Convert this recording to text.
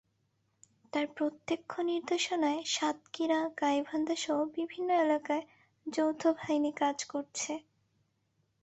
তাঁর প্রত্যক্ষ নির্দেশনায় সাতক্ষীরা, গাইবান্ধাসহ বিভিন্ন এলাকায় যৌথ বাহিনী কাজ করছে।